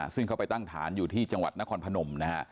ซึ่งเขาไปตั้งฐานอยู่ที่จังหวัดนครพนมนะฮะ